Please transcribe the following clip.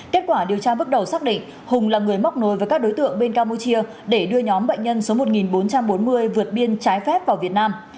kết quả điều tra bước đầu xác định hùng là người móc nối với các đối tượng bên campuchia để đưa nhóm bệnh nhân số một nghìn bốn trăm bốn mươi vượt biên trái phép vào việt nam